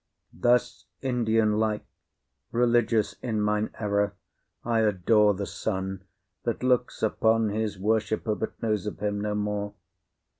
Thus, Indian like, Religious in mine error, I adore The sun that looks upon his worshipper, But knows of him no more.